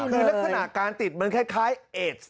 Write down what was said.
คือลักษณะการติดมันคล้ายเอส